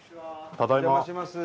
ただいま